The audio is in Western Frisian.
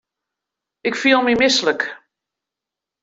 Ik fiel my mislik.